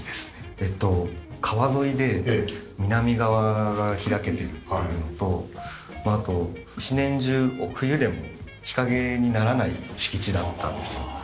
えっと川沿いで南側が開けてるっていうのとあと一年中冬でも日陰にならない敷地だったんですよ。